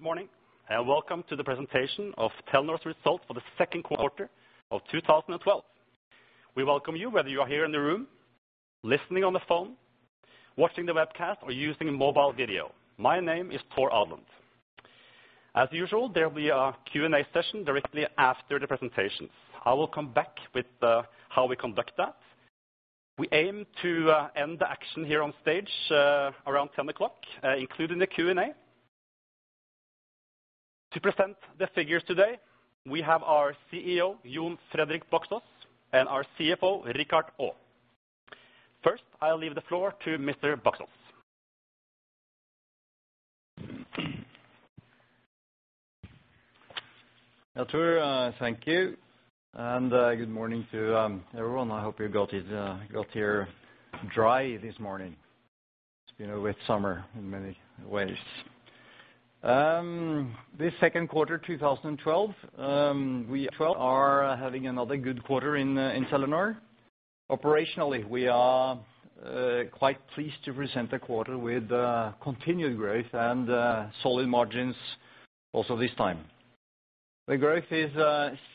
Good morning, and welcome to the presentation of Telenor's results for the second quarter of 2012. We welcome you, whether you are here in the room, listening on the phone, watching the webcast, or using mobile video. My name is Tor Odland. As usual, there will be a Q&A session directly after the presentation. I will come back with how we conduct that. We aim to end the action here on stage around 10:00 A.M., including the Q&A. To present the figures today, we have our CEO, Jon Fredrik Baksaas, and our CFO, Richard Aa. First, I'll leave the floor to Mr. Baksaas. Yeah, Tor, thank you, and good morning to everyone. I hope you got here dry this morning. It's been a wet summer in many ways. This second quarter, 2012, we are having another good quarter in Telenor. Operationally, we are quite pleased to present a quarter with continued growth and solid margins also this time. The growth is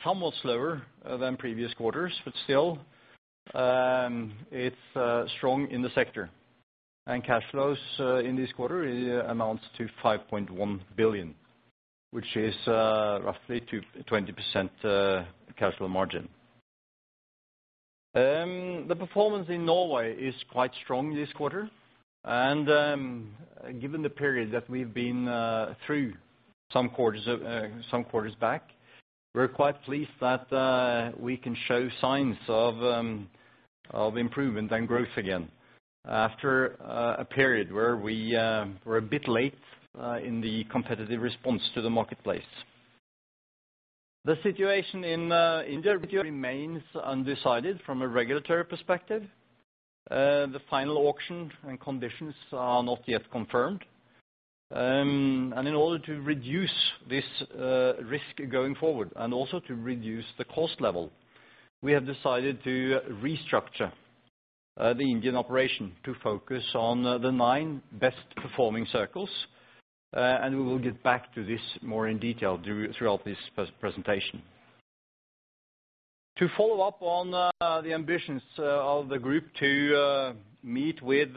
somewhat slower than previous quarters, but still, it's strong in the sector. And cash flows in this quarter amounts to 5.1 billion, which is roughly 20% cash flow margin. The performance in Norway is quite strong this quarter, and, given the period that we've been through some quarters, some quarters back, we're quite pleased that we can show signs of improvement and growth again, after a period where we were a bit late in the competitive response to the marketplace. The situation in India remains undecided from a regulatory perspective. The final auction and conditions are not yet confirmed. And in order to reduce this risk going forward, and also to reduce the cost level, we have decided to restructure the Indian operation to focus on the nine best-performing circles. And we will get back to this more in detail throughout this presentation. To follow up on the ambitions of the group to meet with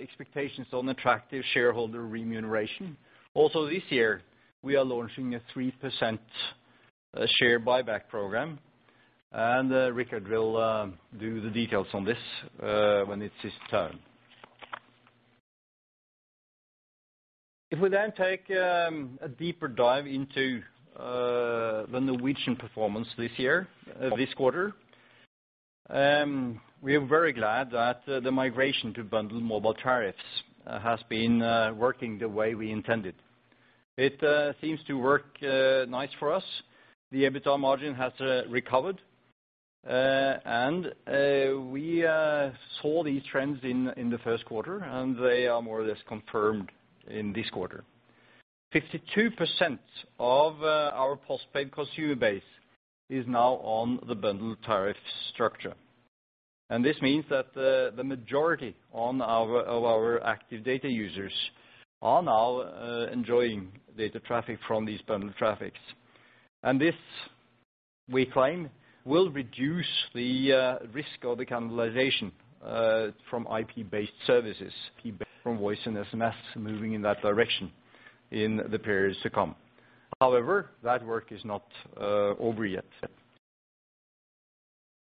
expectations on attractive shareholder remuneration. Also, this year, we are launching a 3% share buyback program, and Richard will do the details on this when it's his turn. If we then take a deeper dive into the Norwegian performance this year, this quarter, we are very glad that the migration to bundle mobile tariffs has been working the way we intended. It seems to work nice for us. The EBITDA margin has recovered, and we saw these trends in the first quarter, and they are more or less confirmed in this quarter. 52% of our post-paid consumer base is now on the bundled tariff structure. This means that the majority of our active data users are now enjoying data traffic from these bundled traffics. This, we claim, will reduce the risk of the cannibalization from IP-based services, from voice and SMS moving in that direction in the periods to come. However, that work is not over yet.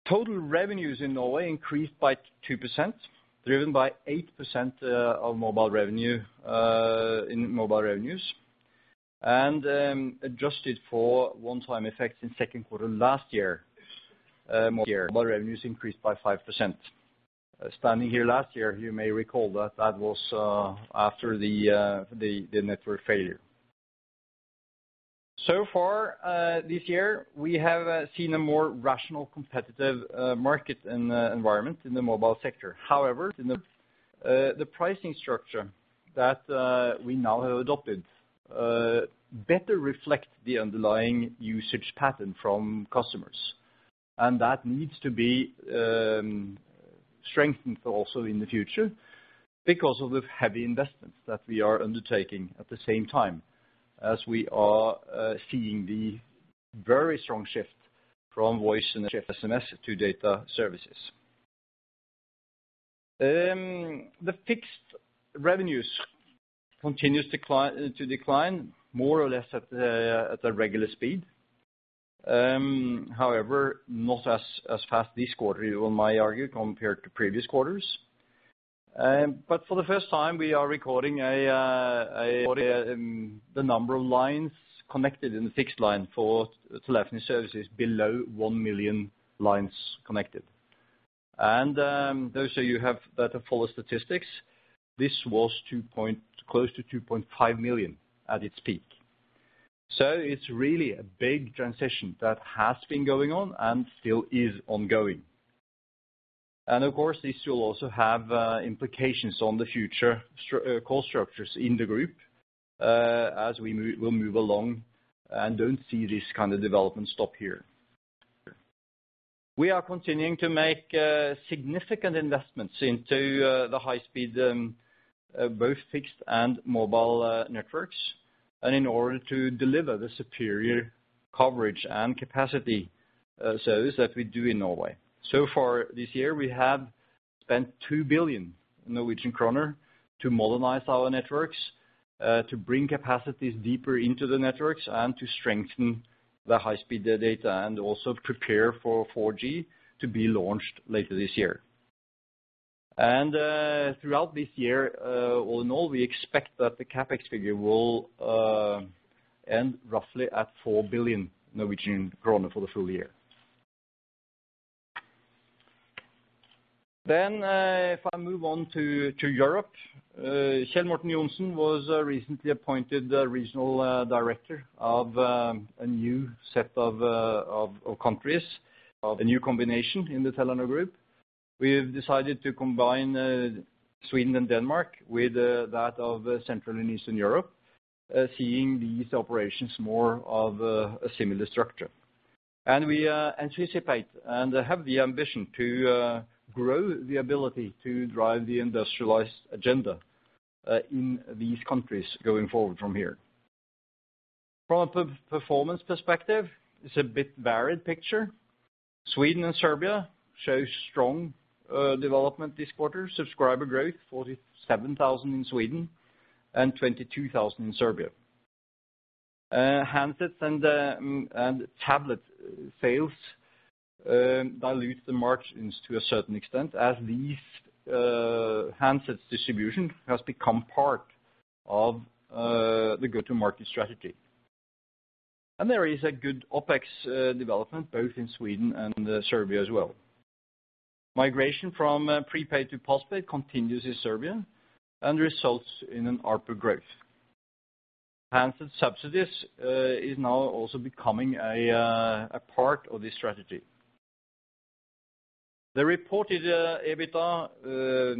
Total revenues in Norway increased by 2%, driven by 8% of mobile revenue in mobile revenues, and adjusted for one-time effects in second quarter last year, mobile revenues increased by 5%. Standing here last year, you may recall that that was after the network failure. So far this year, we have seen a more rational, competitive market and environment in the mobile sector. However, in the pricing structure that we now have adopted better reflect the underlying usage pattern from customers. And that needs to be strengthened also in the future because of the heavy investments that we are undertaking at the same time as we are seeing the very strong shift from voice and SMS to data services. The fixed revenues continues decline to decline more or less at a regular speed. However, not as fast this quarter, you may argue, compared to previous quarters. But for the first time, we are recording the number of lines connected in the fixed line for telephony services below 1 million lines connected. And, those of you have better follow statistics, this was close to 2.5 million at its peak. So it's really a big transition that has been going on and still is ongoing. Of course, this will also have implications on the future structural in the group, as we move, we'll move along and don't see this kind of development stop here. We are continuing to make significant investments into the high speed both fixed and mobile networks, and in order to deliver the superior coverage and capacity service that we do in Norway. So far this year, we have spent 2 billion Norwegian kroner to modernize our networks, to bring capacities deeper into the networks, and to strengthen the high-speed data, and also prepare for 4G to be launched later this year. Throughout this year, all in all, we expect that the CapEx figure will end roughly at 4 billion Norwegian kroner for the full year. Then, if I move on to Europe, Kjell-Morten Johnsen was recently appointed the Regional Director of a new set of countries, of a new combination in the Telenor Group. We have decided to combine Sweden and Denmark with that of Central and Eastern Europe, seeing these operations more of a similar structure. And we anticipate, and have the ambition to, grow the ability to drive the industrialized agenda in these countries going forward from here. From a per-performance perspective, it's a bit varied picture. Sweden and Serbia show strong development this quarter. Subscriber growth, 47,000 in Sweden and 22,000 in Serbia. Handsets and tablet sales dilute the margins to a certain extent, as these handsets distribution has become part of the go-to-market strategy. There is a good OpEx development, both in Sweden and Serbia as well. Migration from prepaid to postpaid continues in Serbia, and results in an ARPU growth. Handset subsidies is now also becoming a part of this strategy. The reported EBITDA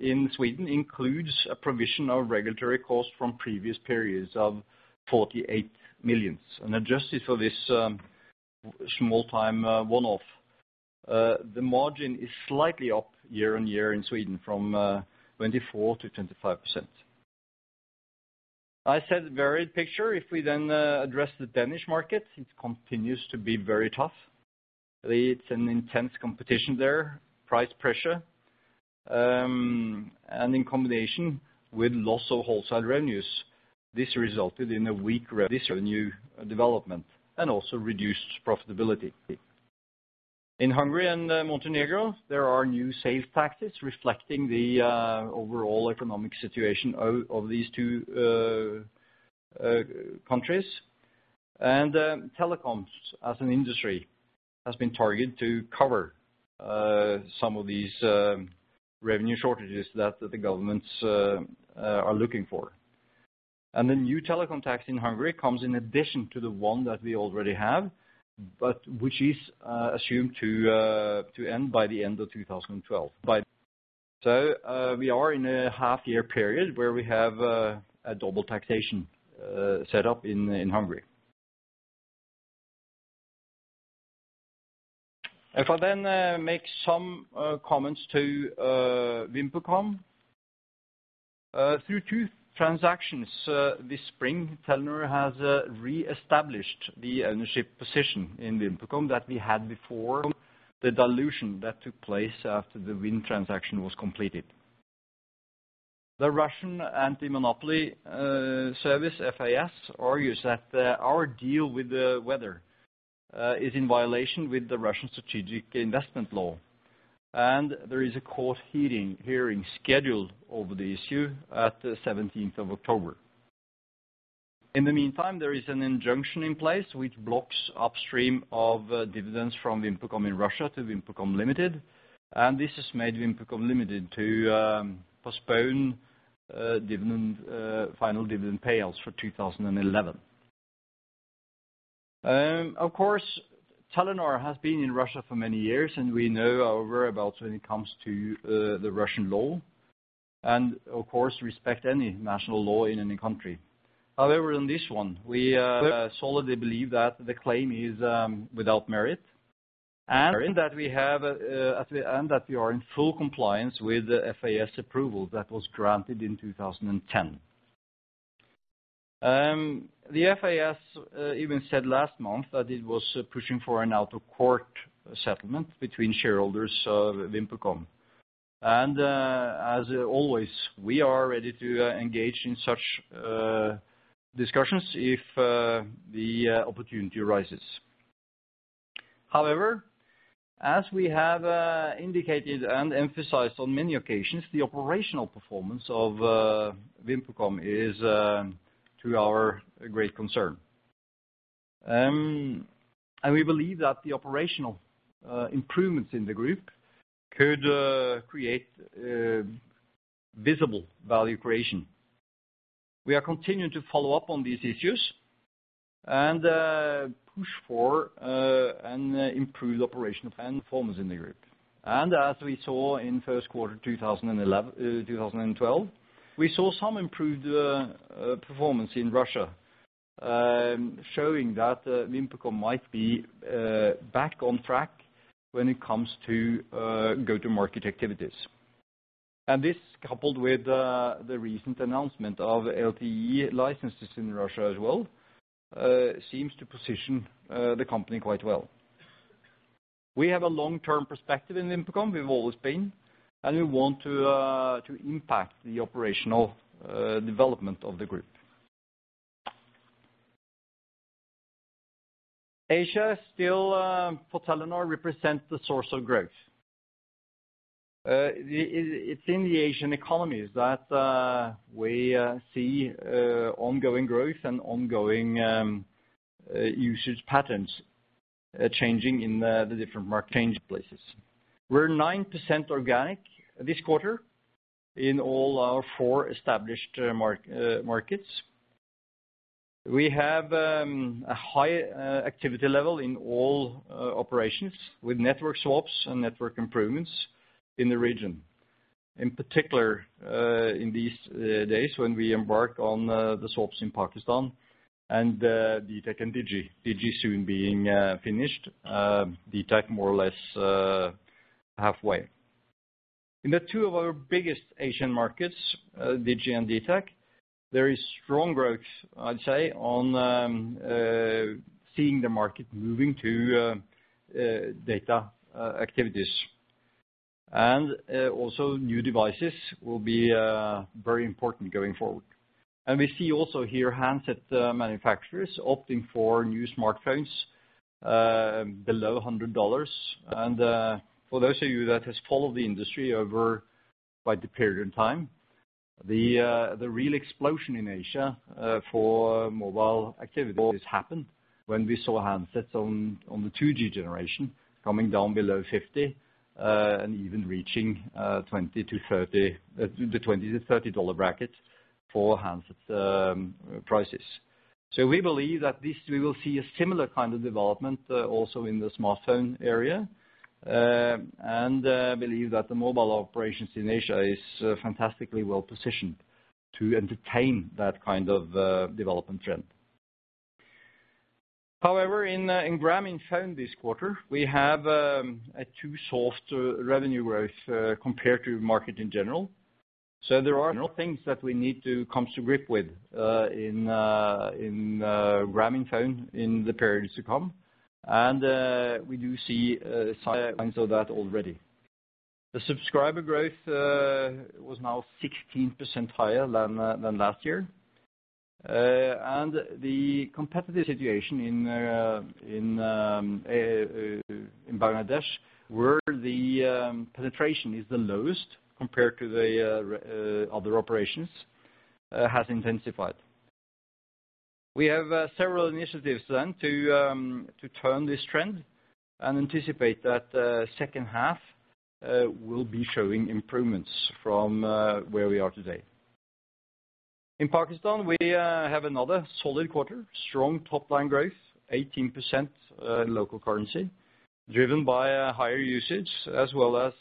in Sweden includes a provision of regulatory costs from previous periods of 48 million. Adjusted for this small time one-off, the margin is slightly up year-on-year in Sweden, from 24%-25%. I said varied picture. If we then address the Danish market, it continues to be very tough. It's an intense competition there, price pressure, and in combination with loss of wholesale revenues, this resulted in a weak revenue development and also reduced profitability. In Hungary and Montenegro, there are new sales tactics reflecting the overall economic situation of these two countries. Telecoms, as an industry, has been targeted to cover some of these revenue shortages that the governments are looking for. The new telecom tax in Hungary comes in addition to the one that we already have, but which is assumed to end by the end of 2012. So, we are in a half year period where we have a double taxation set up in Hungary. If I then make some comments to VimpelCom. Through two transactions this spring, Telenor has re-established the ownership position in VimpelCom that we had before the dilution that took place after the Wind transaction was completed. The Russian anti-monopoly service, FAS, argues that our deal with Wind is in violation with the Russian Strategic Investment Law. There is a court hearing scheduled over the issue at the seventeenth of October. In the meantime, there is an injunction in place which blocks upstream of dividends from VimpelCom in Russia to VimpelCom Limited, and this has made VimpelCom Limited to postpone final dividend payouts for 2011. Of course, Telenor has been in Russia for many years, and we know our whereabouts when it comes to the Russian law, and of course, respect any national law in any country. However, in this one, we solidly believe that the claim is without merit, and in that, we have at the end that we are in full compliance with the FAS approval that was granted in 2010. The FAS even said last month that it was pushing for an out-of-court settlement between shareholders of VimpelCom. And as always, we are ready to engage in such discussions if the opportunity arises. However, as we have indicated and emphasized on many occasions, the operational performance of VimpelCom is to our great concern. And we believe that the operational improvements in the group could create visible value creation. We are continuing to follow up on these issues and push for an improved operation and performance in the group. As we saw in first quarter 2012, we saw some improved performance in Russia, showing that VimpelCom might be back on track when it comes to go-to-market activities. And this, coupled with the recent announcement of LTE licenses in Russia as well, seems to position the company quite well. We have a long-term perspective in VimpelCom. We've always been, and we want to impact the operational development of the group. Asia still for Telenor represents the source of growth. It's in the Asian economies that we see ongoing growth and ongoing usage patterns changing in the different market places. We're 9% organic this quarter in all our four established markets. We have a high activity level in all operations, with network swaps and network improvements in the region. In particular, in these days, when we embark on the swaps in Pakistan and dtac and Digi. Digi soon being finished, dtac more or less halfway. In the two of our biggest Asian markets, Digi and dtac, there is strong growth, I'd say, on seeing the market moving to data activities. And also, new devices will be very important going forward. And we see also here, handset manufacturers opting for new smartphones below $100. For those of you that has followed the industry over quite a period in time, the real explosion in Asia for mobile activity has happened when we saw handsets on the 2G generation coming down below 50, and even reaching 20-30, the $20-$30 bracket for handset prices. So we believe that this, we will see a similar kind of development also in the smartphone area and believe that the mobile operations in Asia is fantastically well positioned to entertain that kind of development trend. However, in Grameenphone this quarter, we have a too soft revenue growth compared to market in general. So there are things that we need to come to grip with in Grameenphone, in the periods to come. We do see signs of that already. The subscriber growth was now 16% higher than than last year. And the competitive situation in in Bangladesh, where the penetration is the lowest compared to the other operations has intensified. We have several initiatives then to to turn this trend and anticipate that second half will be showing improvements from where we are today. In Pakistan, we have another solid quarter, strong top line growth, 18% in local currency, driven by a higher usage as well as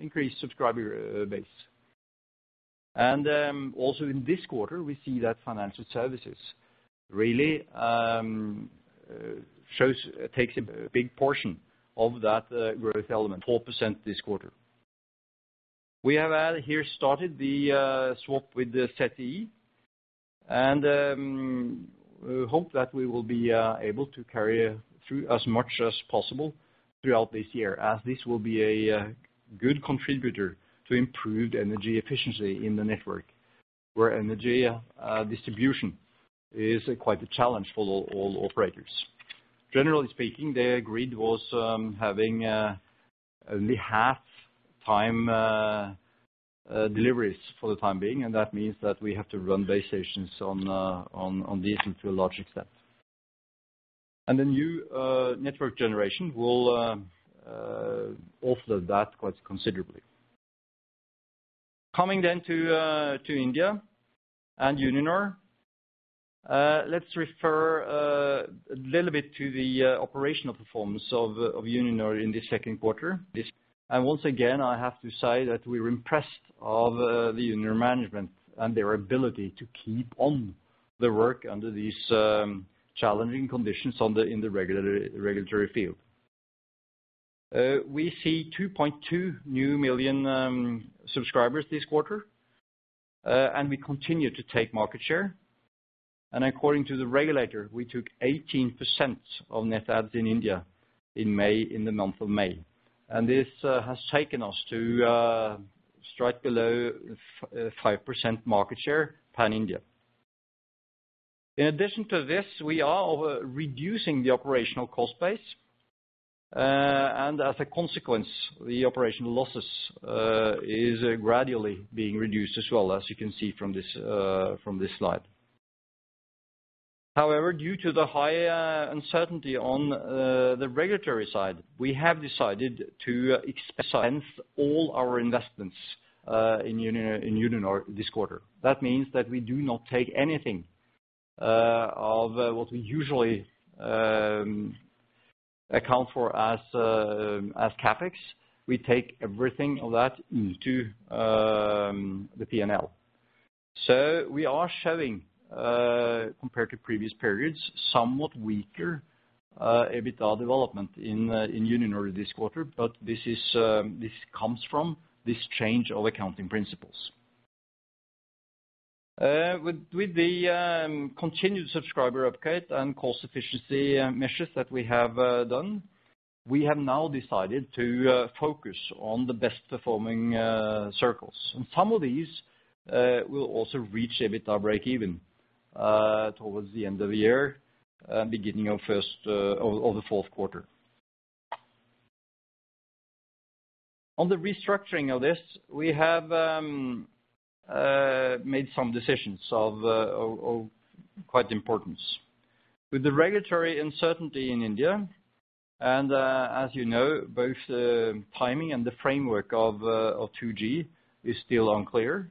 increased subscriber base. And also in this quarter, we see that financial services really takes a big portion of that growth element, 4% this quarter. </transcript We have here started the swap with the ZTE, and we hope that we will be able to carry through as much as possible throughout this year, as this will be a good contributor to improved energy efficiency in the network, where energy distribution is quite a challenge for all operators. Generally speaking, the grid was having only half-time deliveries for the time being, and that means that we have to run base stations on diesel to a large extent. The new network generation will alter that quite considerably. Coming then to India and Uninor. Let's refer a little bit to the operational performance of Uninor in the second quarter. Once again, I have to say that we're impressed of the Uninor management and their ability to keep on the work under these challenging conditions in the regulatory field. We see 2.2 million new subscribers this quarter, and we continue to take market share. According to the regulator, we took 18% of net adds in India in May, in the month of May. This has taken us to straight below five percent market share pan-India. In addition to this, we are reducing the operational cost base, and as a consequence, the operational losses is gradually being reduced as well, as you can see from this slide. However, due to the high uncertainty on the regulatory side, we have decided to expense all our investments in Uninor, in Uninor this quarter. That means that we do not take anything of what we usually account for as CapEx. We take everything of that into the P&L. So we are showing, compared to previous periods, somewhat weaker EBITDA development in Uninor this quarter, but this is, this comes from this change of accounting principles. With the continued subscriber upgrade and cost efficiency measures that we have done, we have now decided to focus on the best-performing circles. And some of these will also reach a bit of break even towards the end of the year and beginning of first or the fourth quarter. On the restructuring of this, we have made some decisions of quite importance. With the regulatory uncertainty in India, and, as you know, both the timing and the framework of 2G is still unclear,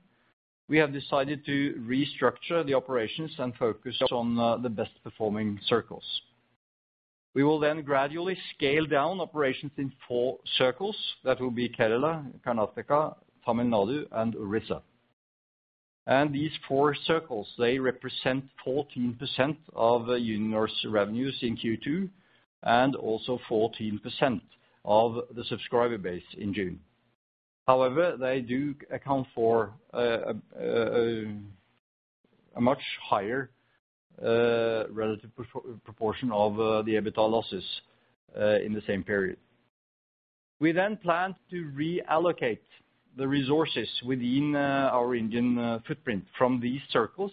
we have decided to restructure the operations and focus on the best-performing circles. We will then gradually scale down operations in four circles. That will be Kerala, Karnataka, Tamil Nadu, and Orissa. And these four circles, they represent 14% of Uninor's revenues in Q2, and also 14% of the subscriber base in June. However, they do account for a much higher relative proportion of the EBITDA losses in the same period. We then plan to reallocate the resources within our Indian footprint from these circles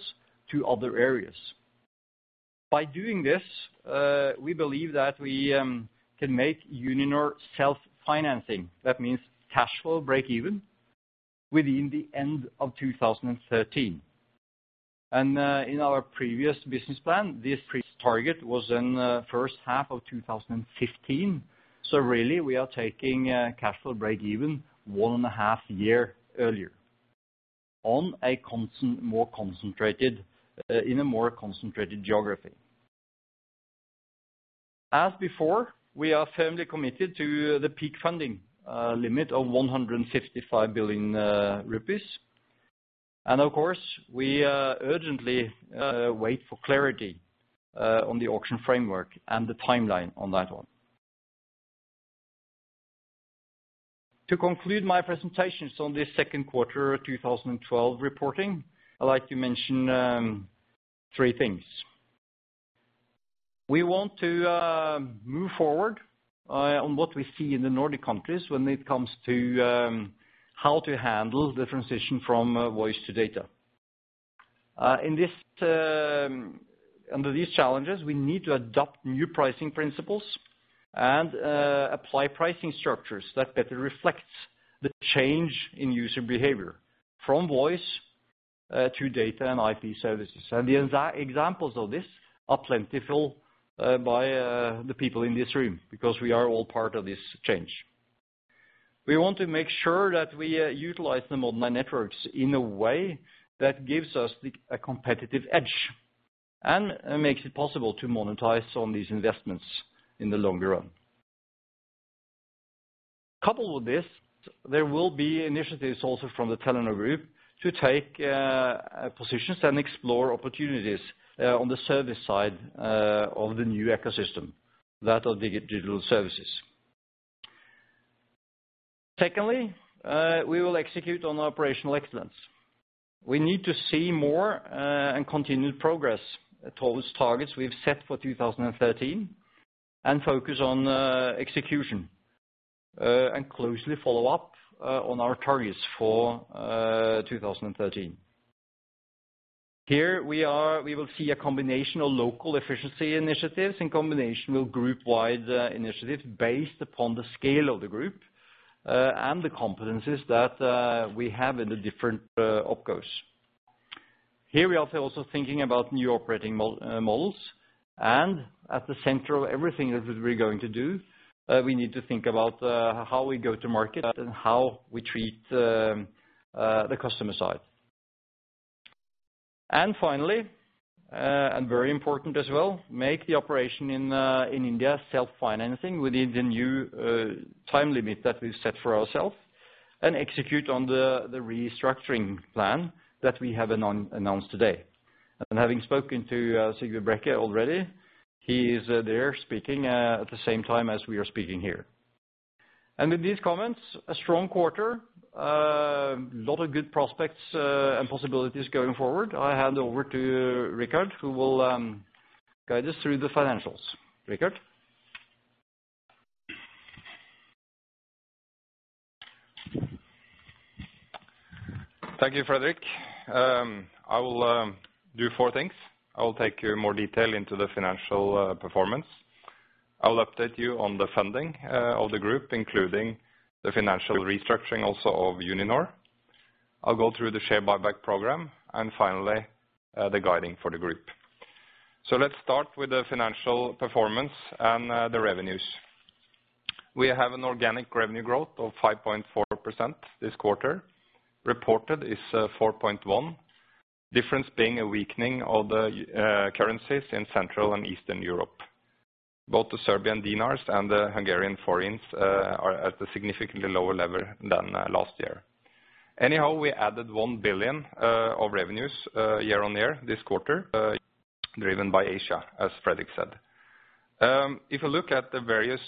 to other areas. By doing this, we believe that we can make Uninor self-financing. That means cash flow break even within the end of 2013. In our previous business plan, this previous target was in first half of 2015. So really, we are taking cash flow break even one and a half year earlier on a more concentrated, in a more concentrated geography. As before, we are firmly committed to the peak funding limit of 155 billion rupees. And of course, we urgently wait for clarity on the auction framework and the timeline on that one. To conclude my presentations on this second quarter of 2012 reporting, I'd like to mention three things. We want to move forward on what we see in the Nordic countries when it comes to how to handle the transition from voice to data. In this under these challenges, we need to adopt new pricing principles and apply pricing structures that better reflects the change in user behavior from voice to data and IP services. And the examples of this are plentiful by the people in this room, because we are all part of this change. We want to make sure that we utilize the modern networks in a way that gives us a competitive edge and makes it possible to monetize on these investments in the longer run. Coupled with this, there will be initiatives also from the Telenor Group to take positions and explore opportunities on the service side of the new ecosystem that are digital services. Secondly, we will execute on operational excellence. We need to see more and continued progress towards targets we've set for 2013, and focus on execution and closely follow up on our targets for 2013. Here we are—we will see a combination of local efficiency initiatives in combination with group-wide initiatives based upon the scale of the group and the competencies that we have in the different opcos. Here, we are also thinking about new operating models, and at the center of everything that we're going to do, we need to think about how we go to market and how we treat the customer side. And finally, and very important as well, make the operation in India self-financing within the new time limit that we've set for ourselves, and execute on the restructuring plan that we have announced today. And having spoken to Sigve Brekke already, he is there speaking at the same time as we are speaking here. And with these comments, a strong quarter, lot of good prospects, and possibilities going forward. I hand over to Richard, who will guide us through the financials. Richard? Thank you, Fredrik. I will do four things. I will take you in more detail into the financial performance. I'll update you on the funding of the group, including the financial restructuring also of Uninor. I'll go through the share buyback program and finally the guidance for the group. Let's start with the financial performance and the revenues... We have an organic revenue growth of 5.4% this quarter. Reported is 4.1%. Difference being a weakening of the currencies in Central and Eastern Europe. Both the Serbian dinars and the Hungarian forints are at a significantly lower level than last year. Anyhow, we added 1 billion of revenues year-on-year this quarter driven by Asia, as Fredrik said. If you look at the various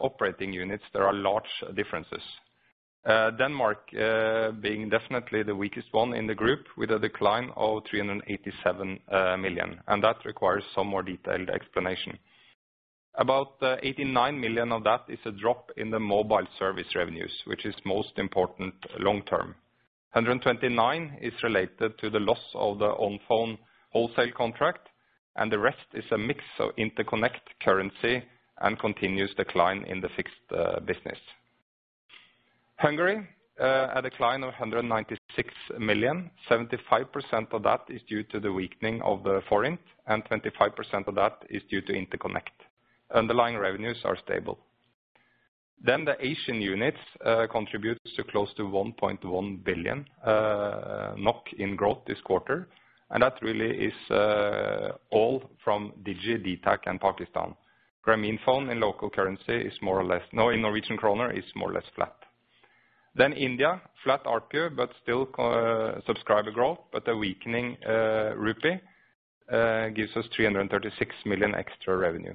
operating units, there are large differences. Denmark, being definitely the weakest one in the group, with a decline of 387 million, and that requires some more detailed explanation. About 89 million of that is a drop in the mobile service revenues, which is most important long term. 129 is related to the loss of the Onfone wholesale contract, and the rest is a mix of interconnect currency and continuous decline in the fixed business. Hungary, a decline of 196 million, 75% of that is due to the weakening of the forint, and 25% of that is due to interconnect. Underlying revenues are stable. Then the Asian units contributes to close to 1.1 billion NOK in growth this quarter, and that really is all from Digi, dtac, and Pakistan. Grameenphone in local currency is more or less—no, in Norwegian kroner, is more or less flat. Then India, flat ARPU, but still, subscriber growth, but a weakening rupee gives us 336 million extra revenue.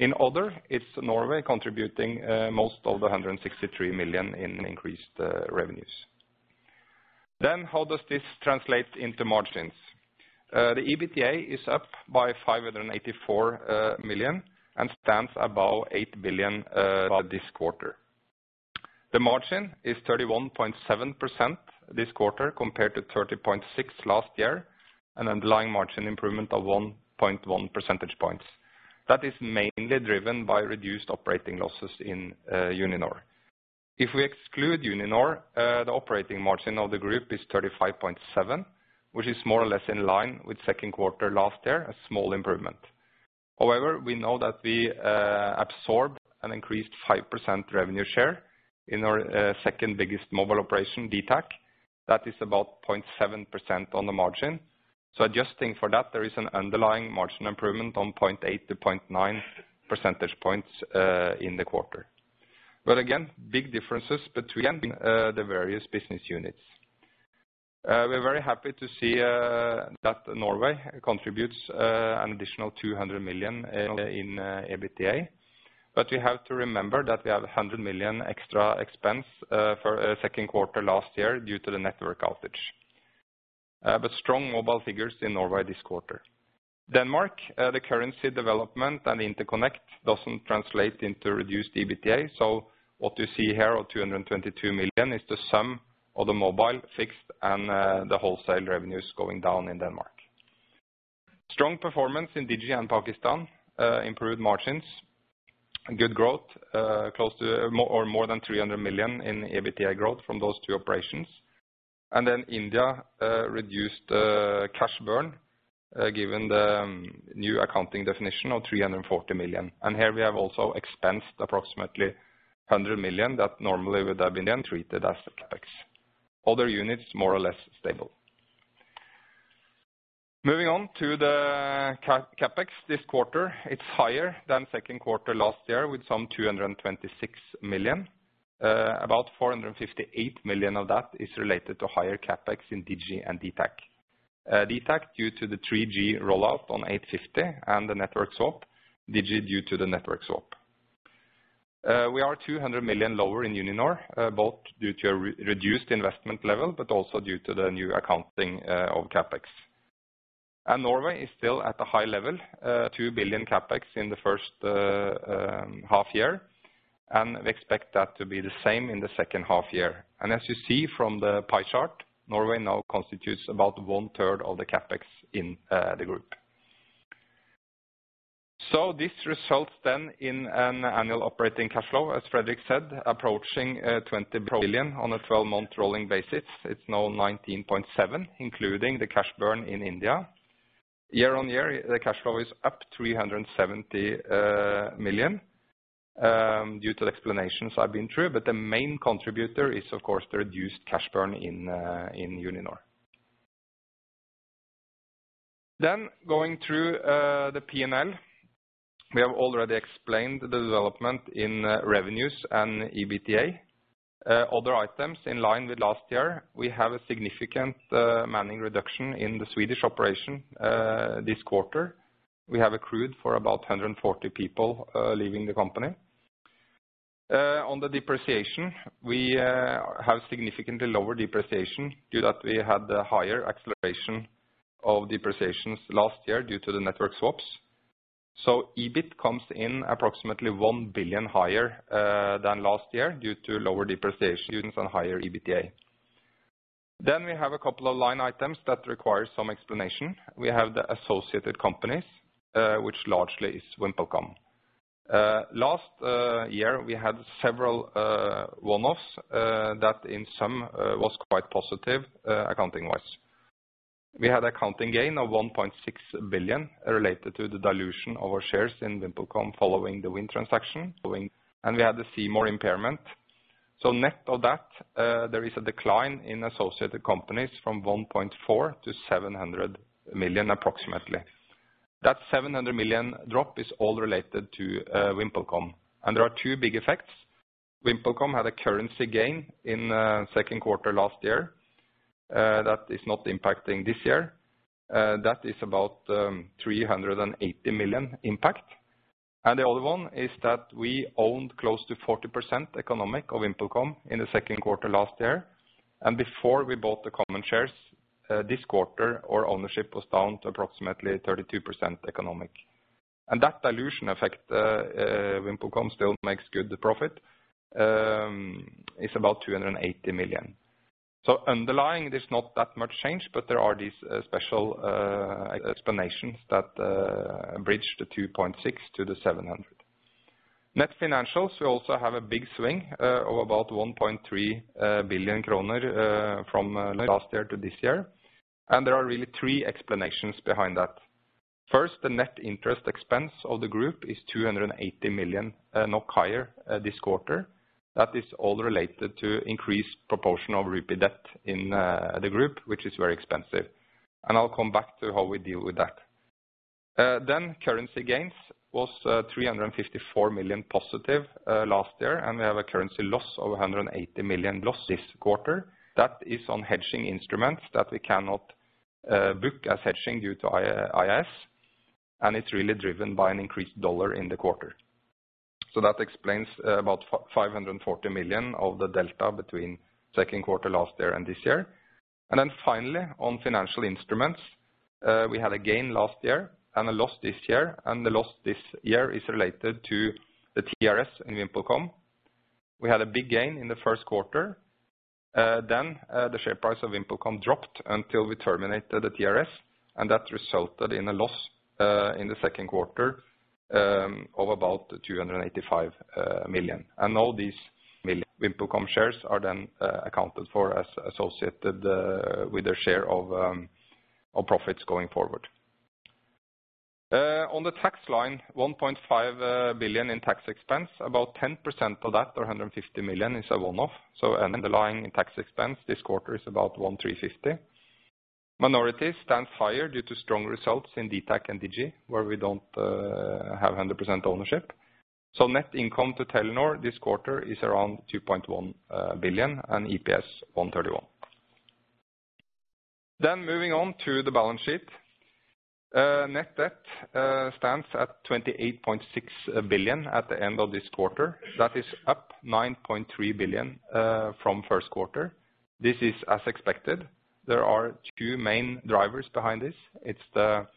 In other, it's Norway contributing most of the 163 million in increased revenues. Then how does this translate into margins? The EBITDA is up by 584 million, and stands above 8 billion this quarter. The margin is 31.7% this quarter, compared to 30.6% last year, an underlying margin improvement of 1.1 percentage points. That is mainly driven by reduced operating losses in Uninor. If we exclude Uninor, the operating margin of the group is 35.7, which is more or less in line with second quarter last year, a small improvement. However, we know that we absorbed an increased 5% revenue share in our second biggest mobile operation, dtac. That is about 0.7% on the margin. So adjusting for that, there is an underlying margin improvement on 0.8-0.9 percentage points in the quarter. But again, big differences between the various business units. We're very happy to see that Norway contributes an additional 200 million in EBITDA, but we have to remember that we have a 100 million extra expense for second quarter last year due to the network outage. But strong mobile figures in Norway this quarter. Denmark, the currency development and interconnect doesn't translate into reduced EBITDA, so what you see here of 222 million is the sum of the mobile, fixed, and, the wholesale revenues going down in Denmark. Strong performance in Digi and Pakistan, improved margins. Good growth, close to, or more than 300 million in EBITDA growth from those two operations. And then India, reduced, cash burn, given the new accounting definition of 340 million. And here we have also expensed approximately 100 million that normally would have been treated as CapEx. Other units, more or less stable. Moving on to the CapEx. This quarter, it's higher than second quarter last year, with some 226 million. About 458 million of that is related to higher CapEx in Digi and DTAC. dtac, due to the 3G rollout on 850 and the network swap. Digi, due to the network swap. We are 200 million lower in Uninor, both due to a re-reduced investment level, but also due to the new accounting of CapEx. Norway is still at a high level, 2 billion CapEx in the first half year, and we expect that to be the same in the second half year. As you see from the pie chart, Norway now constitutes about one third of the CapEx in the group. This results then in an annual operating cash flow, as Fredrik said, approaching 20 billion on a 12-month rolling basis. It's now 19.7 billion, including the cash burn in India. Year-on-year, the cash flow is up 370 million due to the explanations I've been through, but the main contributor is, of course, the reduced cash burn in Uninor. Then, going through the P&L. We have already explained the development in revenues and EBITDA. Other items, in line with last year, we have a significant manning reduction in the Swedish operation this quarter. We have accrued for about 140 people leaving the company. On the depreciation, we have significantly lower depreciation due that we had a higher acceleration of depreciations last year due to the network swaps. So EBIT comes in approximately 1 billion higher than last year, due to lower depreciation and higher EBITDA. Then we have a couple of line items that require some explanation. We have the associated companies, which largely is VimpelCom. Last year, we had several one-offs that in sum was quite positive, accounting-wise. We had accounting gain of 1.6 billion related to the dilution of our shares in VimpelCom, following the Wind transaction going, and we had the C More impairment. So net of that, there is a decline in associated companies from 1.4 billion to 700 million, approximately. That 700 million drop is all related to VimpelCom, and there are two big effects. VimpelCom had a currency gain in second quarter last year that is not impacting this year. That is about 380 million impact. And the other one is that we owned close to 40% economic of VimpelCom in the second quarter last year, and before we bought the common shares, this quarter, our ownership was down to approximately 32% economic. And that dilution effect, VimpelCom still makes good profit, is about 280 million. So underlying, there's not that much change, but there are these, special, explanations that, bridge the 2.6 billion to the 700 million. Net financials, we also have a big swing, of about 1.3 billion kroner, from last year to this year. And there are really three explanations behind that. First, the net interest expense of the group is 280 million, not higher, this quarter. That is all related to increased proportion of rupee debt in, the group, which is very expensive. I'll come back to how we deal with that. Then currency gains was, 354 million positive, last year, and we have a currency loss of 180 million losses this quarter. That is on hedging instruments that we cannot, book as hedging due to IFRS, and it's really driven by an increased dollar in the quarter. So that explains about 540 million of the delta between second quarter last year and this year. Then finally, on financial instruments, we had a gain last year and a loss this year, and the loss this year is related to the TRS in VimpelCom. We had a big gain in the first quarter, then, the share price of VimpelCom dropped until we terminated the TRS, and that resulted in a loss in the second quarter of about 285 million. And all these million VimpelCom shares are then accounted for as associated with a share of of profits going forward. On the tax line, 1.5 billion in tax expense, about 10% of that, or 150 million, is a one-off. So an underlying tax expense this quarter is about 1.35 billion. Minorities stands higher due to strong results in DTAC and Digi, where we don't have 100% ownership. So net income to Telenor this quarter is around 2.1 billion, and EPS 1.31. Then moving on to the balance sheet. Net debt stands at 28.6 billion at the end of this quarter. That is up 9.3 billion from first quarter. This is as expected. There are two main drivers behind this: It's the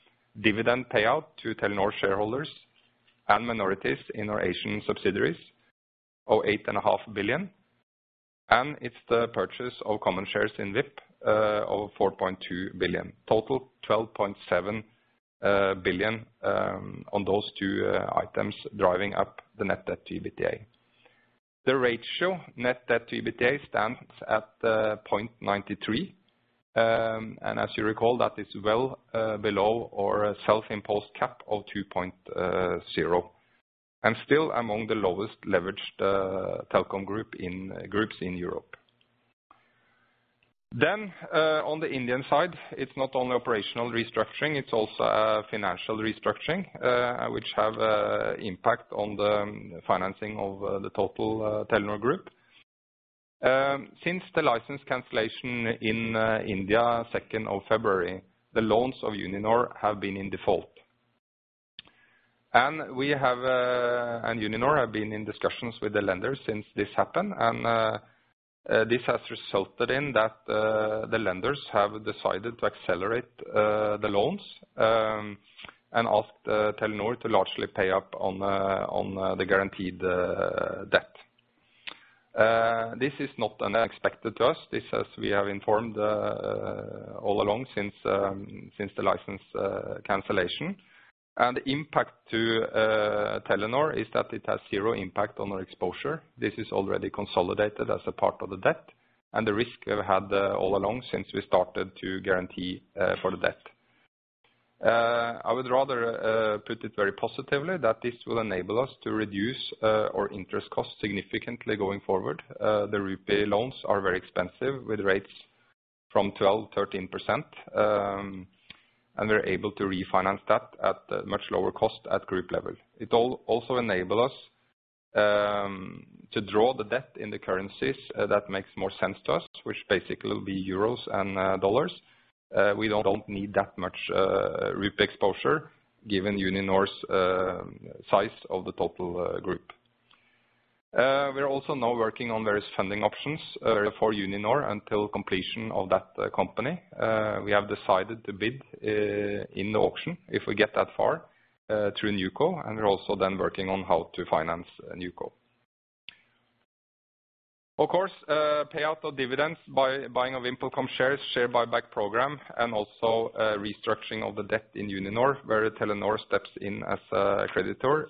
dividend payout to Telenor shareholders and minorities in our Asian subsidiaries, of 8.5 billion, and it's the purchase of common shares in VIP of 4.2 billion. Total, 12.7 billion on those two items, driving up the net debt to EBITDA. The ratio, net debt to EBITDA, stands at 0.93. And as you recall, that is well below our self-imposed cap of 2.0, and still among the lowest leveraged telecom group in groups in Europe. Then, on the Indian side, it's not only operational restructuring, it's also a financial restructuring, which have an impact on the financing of the total Telenor Group. Since the license cancellation in India, second of February, the loans of Uninor have been in default. And we have, and Uninor have been in discussions with the lenders since this happened, and this has resulted in that the lenders have decided to accelerate the loans and asked Telenor to largely pay up on the guaranteed debt. This is not unexpected to us. This, as we have informed, all along since the license cancellation. And the impact to Telenor is that it has zero impact on our exposure. This is already consolidated as a part of the debt and the risk we've had all along since we started to guarantee for the debt. I would rather put it very positively, that this will enable us to reduce our interest costs significantly going forward. The repay loans are very expensive, with rates from 12%-13%, and we're able to refinance that at a much lower cost at group level. It also enable us to draw the debt in the currencies that makes more sense to us, which basically will be euros and dollars. We don't need that much rupee exposure, given Uninor's size of the total group. We're also now working on various funding options for Uninor until completion of that company. We have decided to bid in the auction, if we get that far, through NewCo, and we're also then working on how to finance NewCo. Of course, payout of dividends by buying of VimpelCom shares, share buyback program, and also, restructuring of the debt in Uninor, where Telenor steps in as a creditor,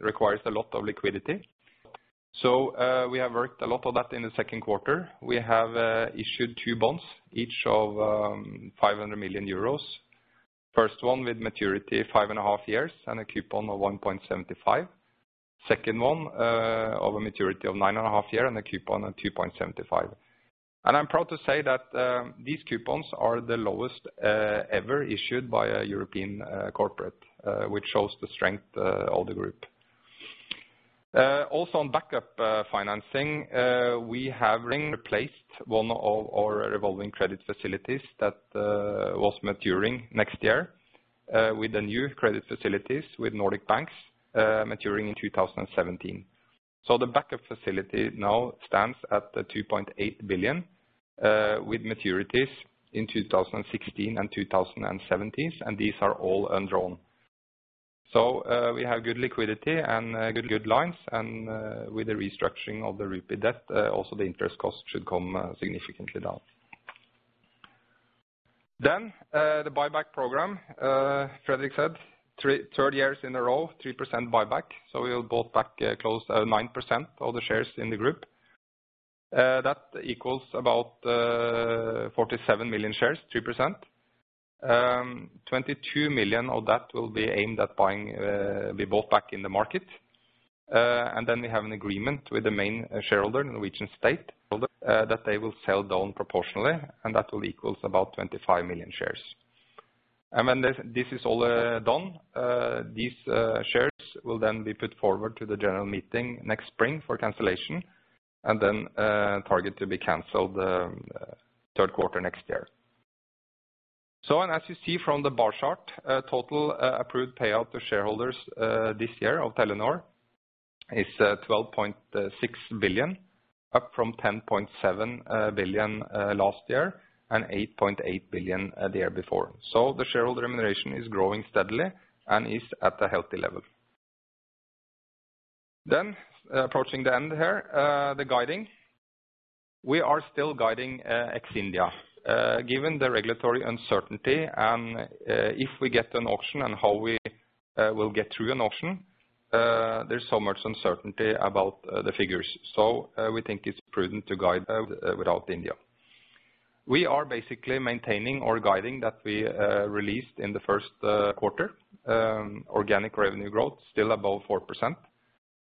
requires a lot of liquidity. So, we have worked a lot of that in the second quarter. We have issued 2 bonds, each of 500 million euros. First one with maturity 5.5 years, and a coupon of 1.75. Second one of a maturity of 9.5 years, and a coupon of 2.75. I'm proud to say that these coupons are the lowest ever issued by a European corporate, which shows the strength of the group. Also on backup financing, we have replaced one of our revolving credit facilities that was maturing next year with the new credit facilities with Nordic banks, maturing in 2017. The backup facility now stands at 2.8 billion with maturities in 2016 and 2017, and these are all undrawn. We have good liquidity and good, good lines and with the restructuring of the rupee debt, also the interest cost should come significantly down. Then, the buyback program, Frederick said, third year in a row, 3% buyback, so we will bought back close to 9% of the shares in the group. That equals about 47 million shares, 2%. Twenty-two million of that will be aimed at buying be bought back in the market. And then we have an agreement with the main shareholder, Norwegian State, that they will sell down proportionally, and that will equals about 25 million shares. And when this, this is all done, these shares will then be put forward to the general meeting next spring for cancellation, and then target to be canceled third quarter next year. As you see from the bar chart, a total approved payout to shareholders this year of Telenor is 12.6 billion NOK, up from 10.7 billion NOK last year, and 8.8 billion NOK the year before. So the shareholder remuneration is growing steadily and is at a healthy level. Approaching the end here, the guiding. We are still guiding ex India, given the regulatory uncertainty and, if we get an auction and how we will get through an auction, there's so much uncertainty about the figures, so we think it's prudent to guide without India. We are basically maintaining or guiding that we released in the first quarter, organic revenue growth, still above 4%.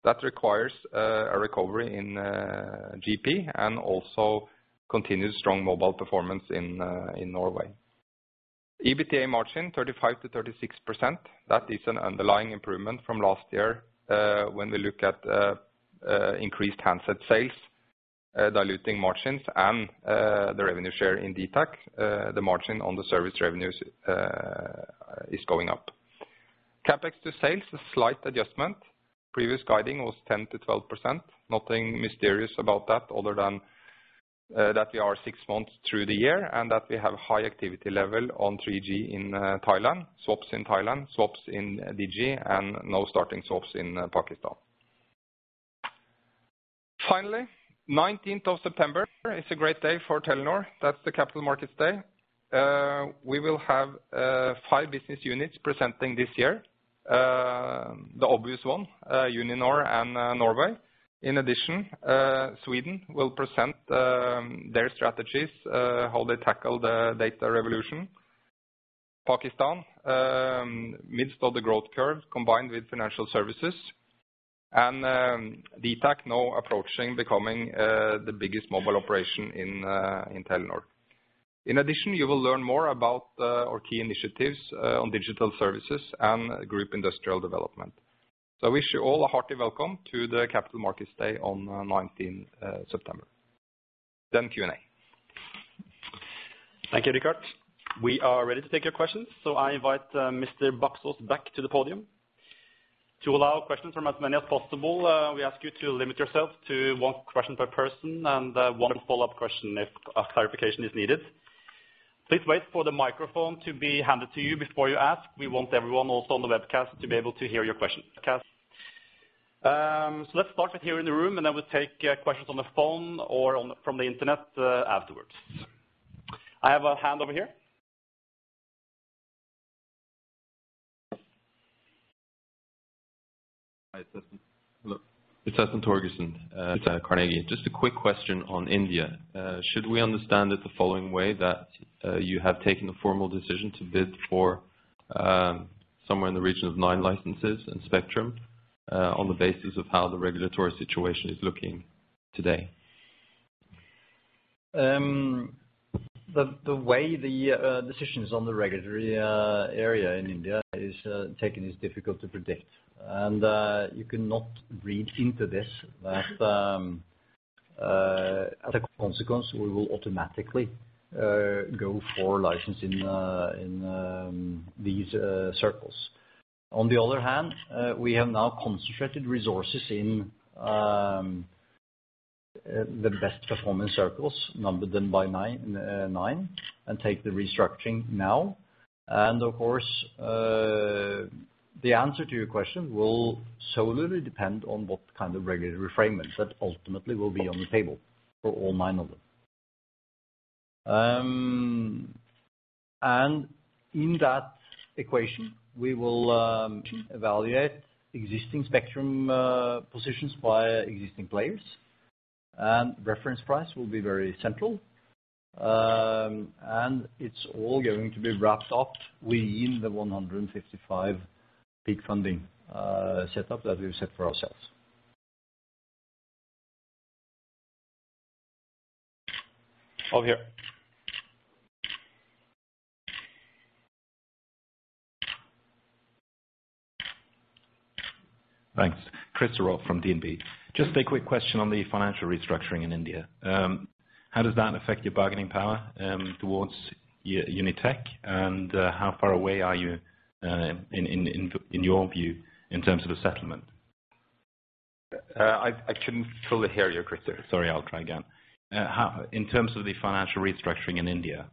That requires a recovery in GP and also continued strong mobile performance in Norway. EBITDA margin, 35%-36%. That is an underlying improvement from last year, when we look at increased handset sales diluting margins and the revenue share in dtac; the margin on the service revenues is going up. CapEx to sales, a slight adjustment. Previous guiding was 10%-12%. Nothing mysterious about that, other than that we are six months through the year, and that we have high activity level on 3G in Thailand, swaps in Thailand, swaps in Digi, and now starting swaps in Pakistan. Finally, September 19 is a great day for Telenor. That's the Capital Markets Day. We will have five business units presenting this year. The obvious one, Uninor and Norway. In addition, Sweden will present their strategies, how they tackle the data revolution. Pakistan, midst of the growth curve, combined with financial services, and dtac now approaching becoming the biggest mobile operation in Telenor. In addition, you will learn more about our key initiatives on digital services and group industrial development. So I wish you all a hearty welcome to the Capital Markets Day on nineteenth September. Then Q&A. Thank you, Richard. We are ready to take your questions, so I invite Mr. Baksaas back to the podium. To allow questions from as many as possible, we ask you to limit yourself to one question per person and one follow-up question if a clarification is needed. Please wait for the microphone to be handed to you before you ask. We want everyone also on the webcast to be able to hear your question. So let's start with here in the room, and I will take questions on the phone or from the Internet afterwards. I have a hand over here. Hi, it's Jostein Torgersen, Carnegie. Just a quick question on India. Should we understand it the following way, that you have taken a formal decision to bid for somewhere in the region of 9 licenses and spectrum on the basis of how the regulatory situation is looking today? The way the decisions on the regulatory area in India is taken is difficult to predict, and you cannot read into this that as a consequence, we will automatically go for license in in these circles. On the other hand, we have now concentrated resources in the best performing circles, numbered them by 9, 9, and take the restructuring now. Of course, the answer to your question will solely depend on what kind of regulatory framework that ultimately will be on the table for all nine of them. In that equation, we will evaluate existing spectrum positions by existing players, and reference price will be very central. It's all going to be wrapped up within the 155 peak funding set up that we've set for ourselves. Over here. Thanks. Christoffer from DNB. Just a quick question on the financial restructuring in India. How does that affect your bargaining power towards Unitech? And how far away are you in your view in terms of a settlement? I couldn't fully hear you, Christoffer. Sorry, I'll try again. In terms of the financial restructuring in India,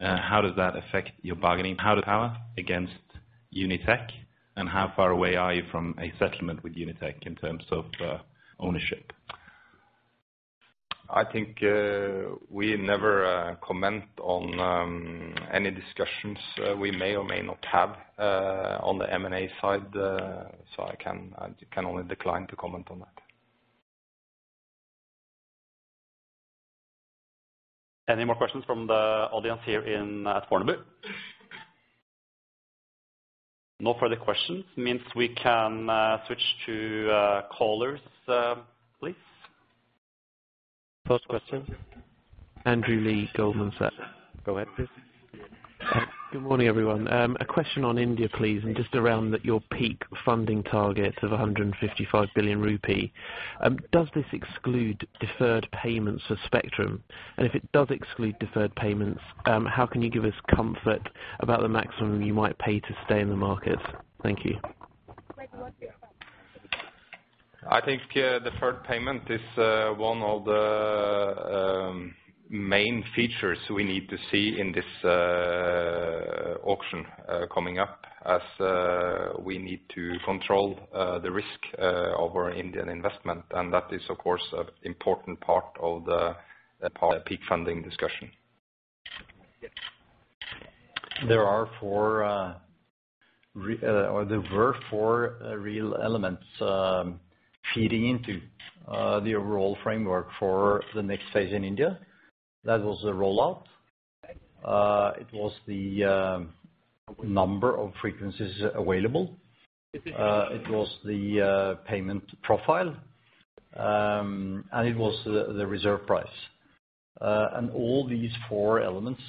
how does that affect your bargaining power against Unitech, and how far away are you from a settlement with Unitech in terms of ownership? I think we never comment on any discussions we may or may not have on the M&A side. So I can, I can only decline to comment on that. Any more questions from the audience here in, at Fornebu? No further questions, means we can switch to callers, please. First question, Andrew Lee, Goldman Sachs. Go ahead, please. Good morning, everyone. A question on India, please, and just around that your peak funding target of 155 billion rupee. Does this exclude deferred payments for spectrum? And if it does exclude deferred payments, how can you give us comfort about the maximum you might pay to stay in the market? Thank you. I think, the first payment is, one of the, main features we need to see in this, auction, coming up, as, we need to control, the risk, of our Indian investment. And that is, of course, an important part of the, the peak funding discussion. Yeah. There are four, or there were four, real elements feeding into the overall framework for the next phase in India. That was the rollout. It was the number of frequencies available. It was the payment profile, and it was the reserve price. And all these four elements,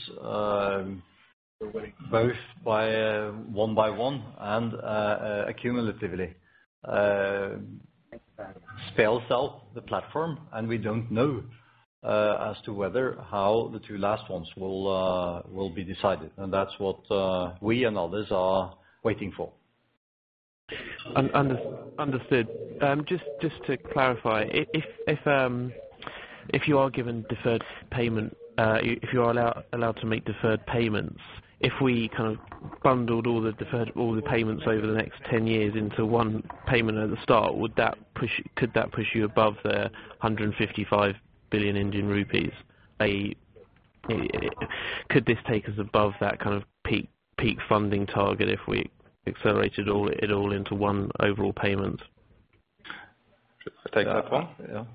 both by one by one, and accumulatively, spell out the platform, and we don't know as to whether how the two last ones will be decided, and that's what we and others are waiting for. Understood. Just to clarify, if you are given deferred payment, if you are allowed to make deferred payments, if we kind of bundled all the deferred payments over the next 10 years into one payment at the start, would that push—could that push you above the 155 billion Indian rupees? Could this take us above that kind of peak funding target if we accelerated it all into one overall payment? Take that one? Yeah.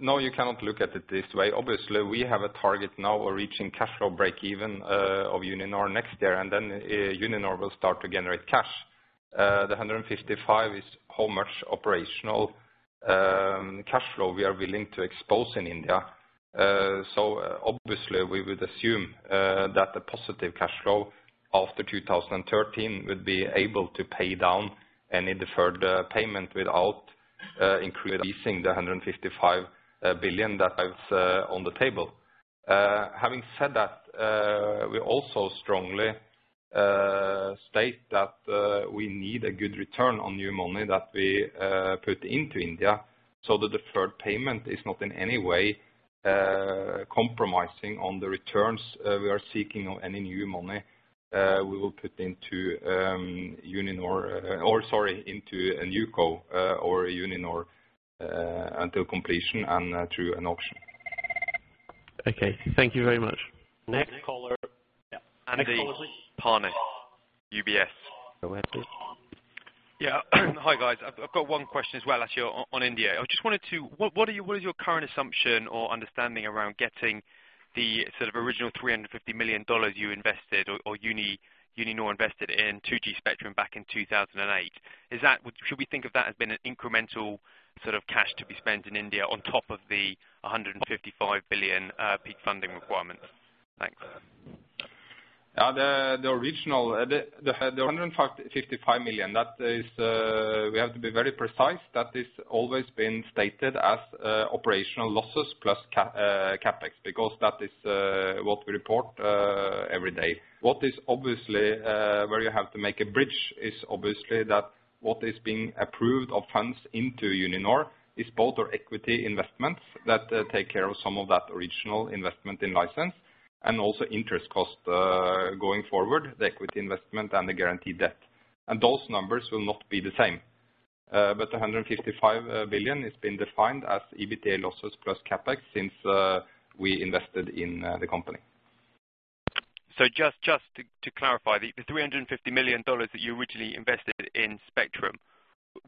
No, you cannot look at it this way. Obviously, we have a target now, we're reaching cash flow break-even of Uninor next year, and then, Uninor will start to generate cash. The 155 billion is how much operational cash flow we are willing to expose in India. So obviously, we would assume that the positive cash flow after 2013 would be able to pay down any deferred payment without increasing the 155 billion that is on the table. Having said that, we also strongly state that we need a good return on new money that we put into India, so the deferred payment is not in any way compromising on the returns we are seeking on any new money we will put into Uninor, or sorry, into a new co, or Uninor, until completion and through an auction. Okay. Thank you very much. Next caller. Yeah. Next caller, please. Andy Parnis, UBS. Go ahead, please. Yeah. Hi, guys. I've got one question as well, actually, on India. I just wanted to know what your current assumption or understanding around getting the sort of original $350 million you invested or Uninor invested in 2G spectrum back in 2008? Is that—should we think of that as being an incremental sort of cash to be spent in India on top of the 155 billion peak funding requirement? Thanks. The original 155 million, that is, we have to be very precise, that is always been stated as operational losses plus CapEx, because that is what we report every day. What is obviously where you have to make a bridge is obviously that what is being approved of funds into Uninor is both our equity investments that take care of some of that original investment in license, and also interest costs going forward, the equity investment and the guaranteed debt. And those numbers will not be the same.... but 155 billion has been defined as EBITDA losses plus CapEx since we invested in the company. Just to clarify, the $350 million that you originally invested in Spectrum,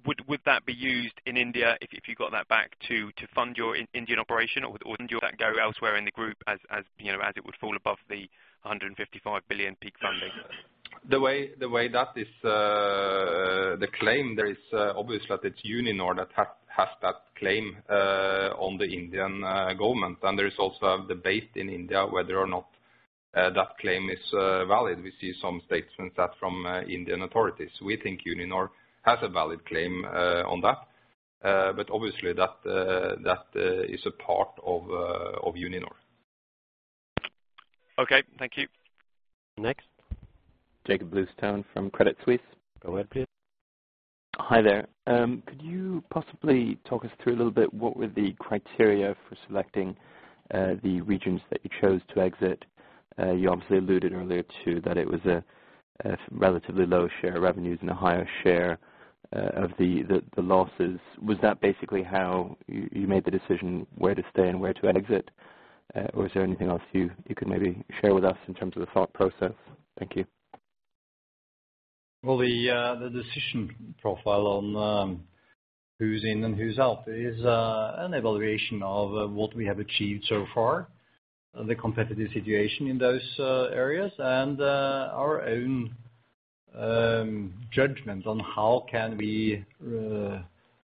would that be used in India if you got that back to fund your Indian operation, or wouldn't that go elsewhere in the group, as you know, as it would fall above the 155 billion peak funding? The claim there is, obviously, that it's Uninor that has that claim on the Indian government. There is also a debate in India whether or not that claim is valid. We see some statements from Indian authorities. We think Uninor has a valid claim on that, but obviously, that is a part of Uninor. Okay, thank you. Next? Jakob Bluestone from Credit Suisse. Go ahead, please. Hi there. Could you possibly talk us through a little bit, what were the criteria for selecting the regions that you chose to exit? You obviously alluded earlier to that it was a relatively low share of revenues and a higher share of the losses. Was that basically how you made the decision where to stay and where to exit? Or is there anything else you could maybe share with us in terms of the thought process? Thank you. Well, the decision profile on who's in and who's out is an evaluation of what we have achieved so far, the competitive situation in those areas, and our own judgment on how can we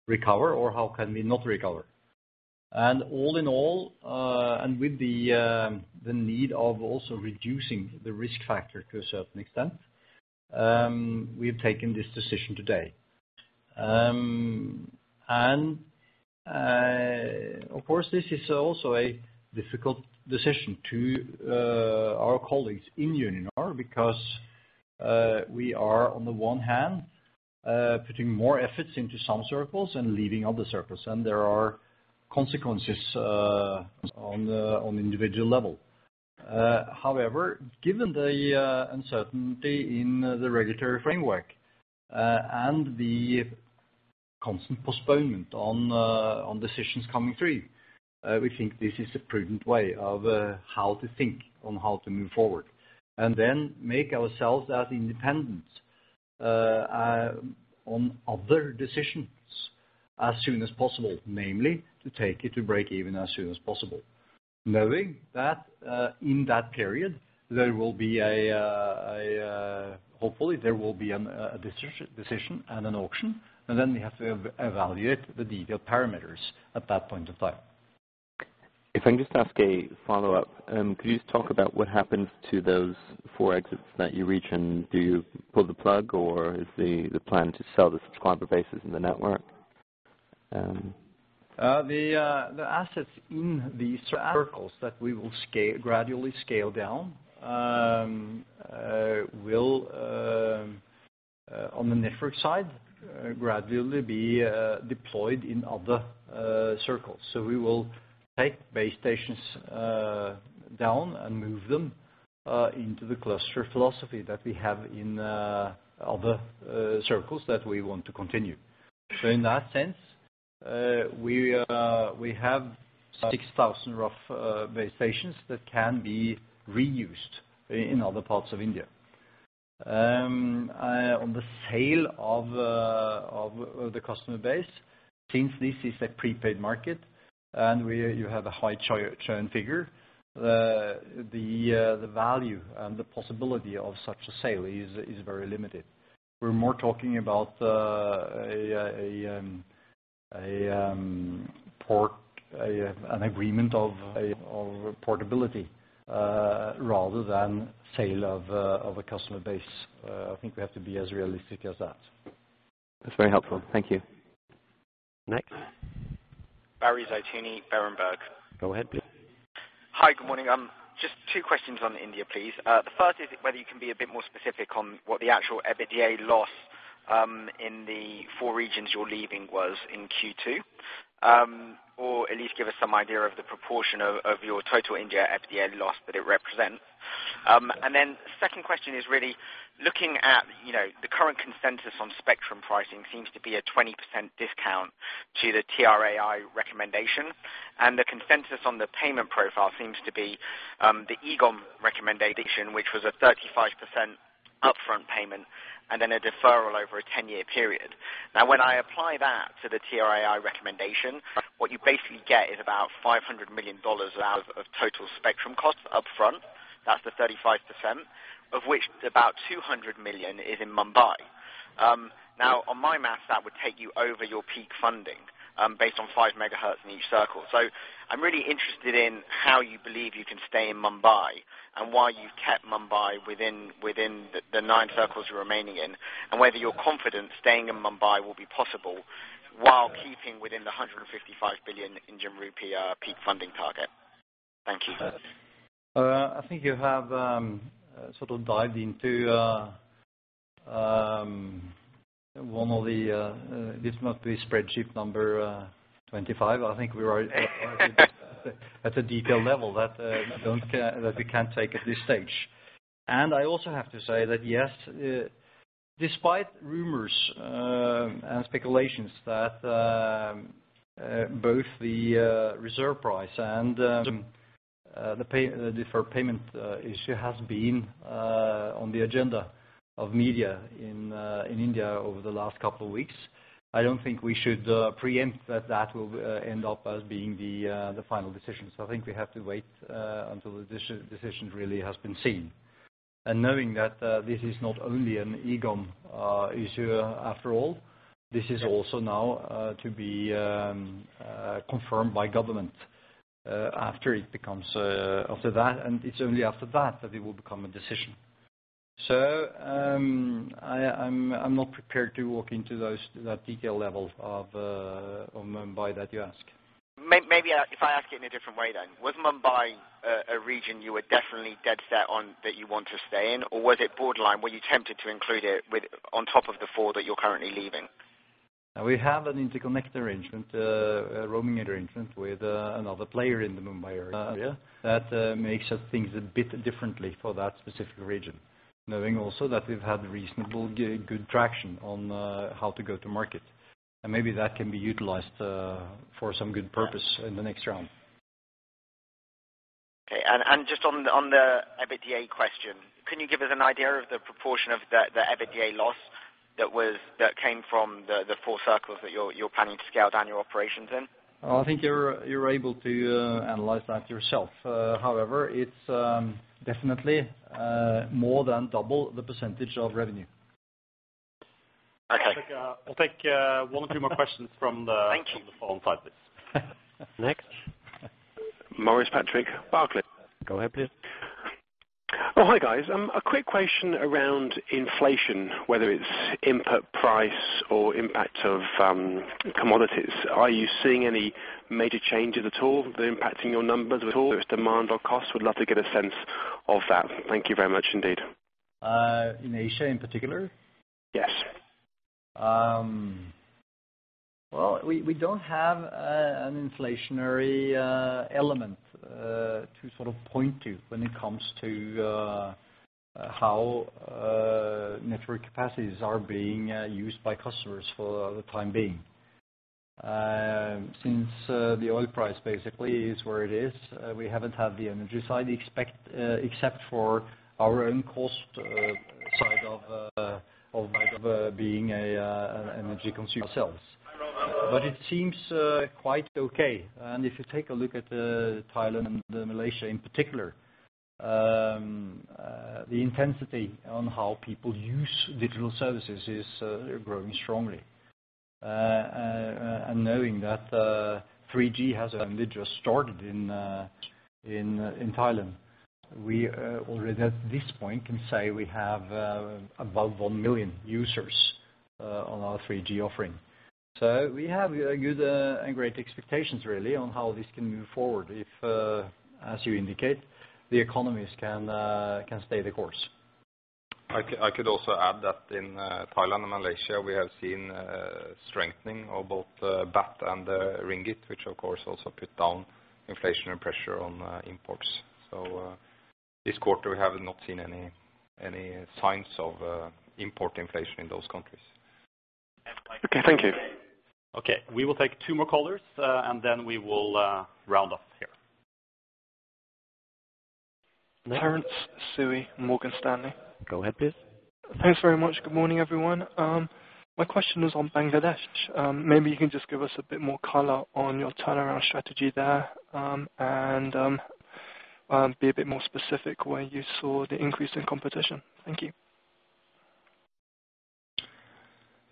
recover or how can we not recover. And all in all, and with the need of also reducing the risk factor to a certain extent, we have taken this decision today. And, of course, this is also a difficult decision to our colleagues in Uninor, because we are, on the one hand, putting more efforts into some circles and leaving other circles, and there are consequences on the individual level. However, given the uncertainty in the regulatory framework, and the constant postponement on decisions coming through, we think this is a prudent way of how to think on how to move forward, and then make ourselves as independent on other decisions as soon as possible, namely, to take it to break even as soon as possible. Knowing that, in that period, there will be a - hopefully, there will be a decision and an auction, and then we have to evaluate the detailed parameters at that point in time. If I can just ask a follow-up. Could you just talk about what happens to those four exits that you reach, and do you pull the plug, or is the plan to sell the subscriber bases in the network? The assets in these circles that we will gradually scale down will, on the network side, gradually be deployed in other circles. So we will take base stations down and move them into the cluster philosophy that we have in other circles that we want to continue. So in that sense, we have roughly 6,000 base stations that can be reused in other parts of India. On the sale of the customer base, since this is a prepaid market and we—you have a high churn figure, the value and the possibility of such a sale is very limited. We're more talking about a port... An agreement of portability, rather than sale of a customer base. I think we have to be as realistic as that. That's very helpful. Thank you. Next. Barry Zeitoune, Berenberg. Go ahead, please. Hi, good morning. Just two questions on India, please. The first is whether you can be a bit more specific on what the actual EBITDA loss in the four regions you're leaving was in Q2? Or at least give us some idea of the proportion of your total India EBITDA loss that it represents. And then second question is really looking at, you know, the current consensus on spectrum pricing seems to be a 20% discount to the TRAI recommendation, and the consensus on the payment profile seems to be the EGoM recommendation, which was a 35% upfront payment and then a deferral over a 10-year period. Now, when I apply that to the TRAI recommendation, what you basically get is about $500 million out of total spectrum costs upfront. That's the 35%, of which about 200 million is in Mumbai. Now, on my math, that would take you over your peak funding, based on 5 MHz in each circle. So I'm really interested in how you believe you can stay in Mumbai, and why you've kept Mumbai within the 9 circles you're remaining in, and whether you're confident staying in Mumbai will be possible while keeping within the 155 billion Indian rupee peak funding target. Thank you. I think you have sort of dived into one of the this might be spreadsheet number 25. I think we are at a detailed level that we can't take at this stage. And I also have to say that, yes, despite rumors and speculations that both the reserve price and the pay, the deferred payment issue has been on the agenda of media in India over the last couple of weeks, I don't think we should preempt that that will end up as being the final decision. So I think we have to wait until the decision really has been seen. And knowing that, this is not only an EGoM issue, after all, this is also now to be confirmed by government, after it becomes after that, and it's only after that that it will become a decision. So, I, I'm, I'm not prepared to walk into those, that detail level of on Mumbai that you ask. Maybe, if I ask it in a different way, then. Was Mumbai a region you were definitely dead set on, that you want to stay in? Or was it borderline, were you tempted to include it with, on top of the four that you're currently leaving? We have an interconnected arrangement, a roaming arrangement with another player in the Mumbai area. That makes us think a bit differently for that specific region. Knowing also that we've had reasonably good traction on how to go to market, and maybe that can be utilized for some good purpose in the next round. Okay. And just on the EBITDA question, can you give us an idea of the proportion of the EBITDA loss that came from the four circles that you're planning to scale down your operations in? I think you're able to analyze that yourself. However, it's definitely more than double the percentage of revenue. Okay. We'll take one or two more questions from the- Thank you. From the phone side, please. Next? Maurice Patrick, Barclays. Go ahead, please. Oh, hi, guys. A quick question around inflation, whether it's input price or impact of, commodities. Are you seeing any major changes at all that are impacting your numbers at all, whether it's demand or cost? Would love to get a sense of that. Thank you very much indeed. In Asia in particular? Yes. Well, we don't have an inflationary element to sort of point to when it comes to how network capacities are being used by customers for the time being. Since the oil price basically is where it is, we haven't had the energy side, except for our own cost side of being an energy consumer ourselves. But it seems quite okay. And if you take a look at Thailand and Malaysia in particular, the intensity on how people use digital services is growing strongly. And knowing that 3G has only just started in Thailand, we already at this point can say we have above 1 million users on our 3G offering. So we have good and great expectations really on how this can move forward if, as you indicate, the economies can stay the course. I could also add that in Thailand and Malaysia, we have seen strengthening of both baht and the ringgit, which of course also put down inflationary pressure on imports. So, this quarter, we have not seen any signs of import inflation in those countries. Okay, thank you. Okay, we will take two more callers, and then we will round off here. Terence Tsui, Morgan Stanley. Go ahead, please. Thanks very much. Good morning, everyone. My question is on Bangladesh. Maybe you can just give us a bit more color on your turnaround strategy there, and be a bit more specific where you saw the increase in competition. Thank you.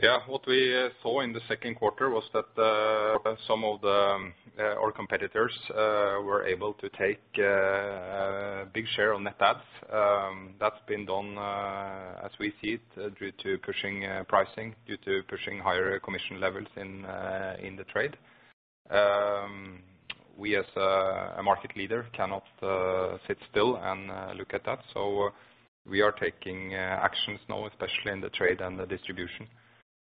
Yeah. What we saw in the second quarter was that some of our competitors were able to take a big share on net adds. That's been done, as we see it, due to pushing pricing, due to pushing higher commission levels in the trade. We, as a market leader, cannot sit still and look at that, so we are taking actions now, especially in the trade and the distribution,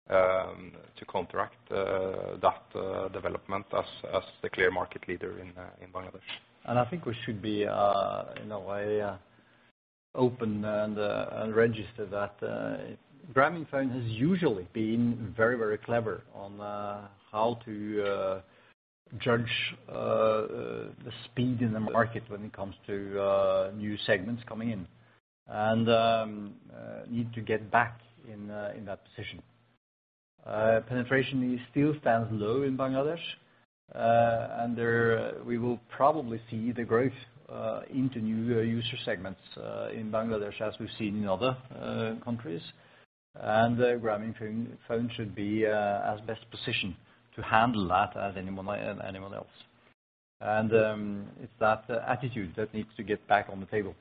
to contract that development as the clear market leader in Bangladesh. I think we should be, in a way, open and register that Grameenphone has usually been very, very clever on how to judge the speed in the market when it comes to new segments coming in. Need to get back in that position. Penetration still stands low in Bangladesh, and there we will probably see the growth into new user segments in Bangladesh, as we've seen in other countries. Grameenphone should be as best positioned to handle that as anyone, anyone else. It's that attitude that needs to get back on the table.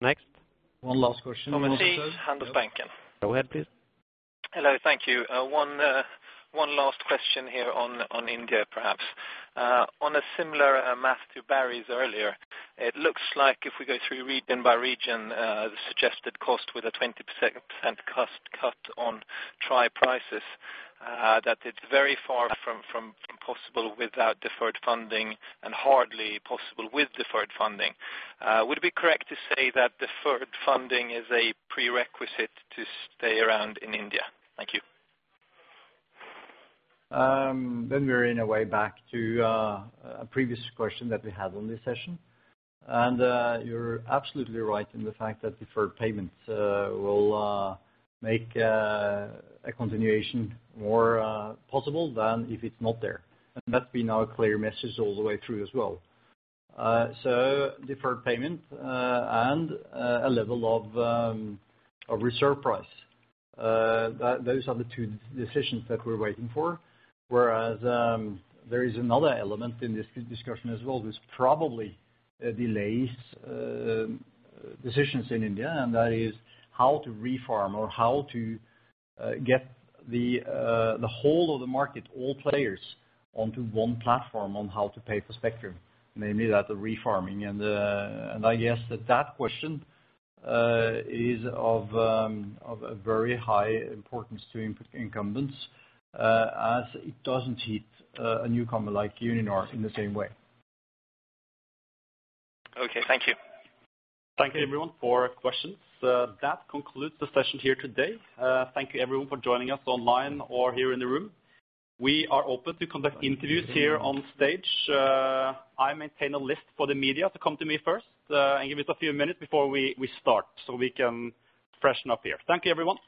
Next. One last question. Thomas Heath, Handelsbanken. Go ahead, please. Hello. Thank you. One last question here on India, perhaps. On a similar math to Barry's earlier, it looks like if we go through region by region, the suggested cost with a 20% cost cut on 3G prices, that it's very far from possible without deferred funding and hardly possible with deferred funding. Would it be correct to say that deferred funding is a prerequisite to stay around in India? Thank you. Then we're in a way back to a previous question that we had on this session, and you're absolutely right in the fact that deferred payments will make a continuation more possible than if it's not there. And that's been our clear message all the way through as well. So deferred payment and a level of reserve price, that those are the two decisions that we're waiting for. Whereas, there is another element in this discussion as well, which probably delays decisions in India, and that is how to reform or how to get the whole of the market, all players, onto one platform on how to pay for spectrum, mainly that refarming. And I guess that that question is of, of a very high importance to incumbents, as it doesn't hit a newcomer like Uninor in the same way. Okay, thank you. Thank you, everyone, for questions. That concludes the session here today. Thank you, everyone, for joining us online or here in the room. We are open to conduct interviews here on stage. I maintain a list for the media, so come to me first, and give it a few minutes before we start, so we can freshen up here. Thank you, everyone.